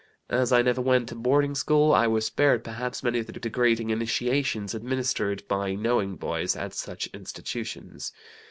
As I never went to boarding school, I was spared, perhaps, many of the degrading initiations administered by knowing boys at such institutions.